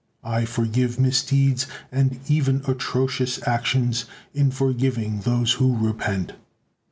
I forgive misdeeds and even atrocious actions, in forgiving those who repent."